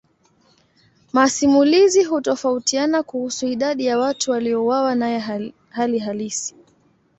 Masimulizi hutofautiana kuhusu idadi ya watu waliouawa naye hali halisi.